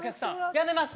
やめます？